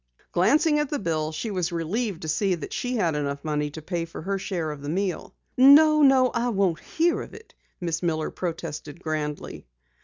Glancing at the bill she was relieved to see that she had enough money to pay for her share of the meal. "No, no, I won't hear of it," Miss Miller protested grandly.